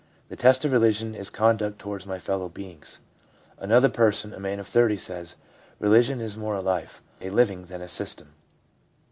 The test of religion is conduct towards my fellow beings/ Another person, a man of 30, says :' Religion is more a life, a living, than a system.